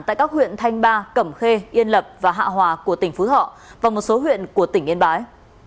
tại các huyện thanh ba cẩm khê yên lập và hạ hòa của tỉnh phú thọ và một số huyện của tỉnh yên bái